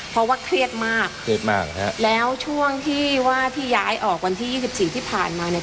เพราะว่าเครียดมากเครียดมากฮะแล้วช่วงที่ว่าที่ย้ายออกวันที่ยี่สิบสี่ที่ผ่านมาเนี่ย